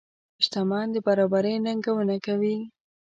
شتمن د برابرۍ ننګونه کوي.